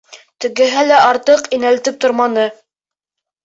Тегеһе лә артыҡ инәлтеп торманы.